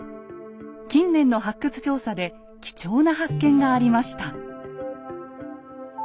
近年の発掘調査で貴重な発見がありました。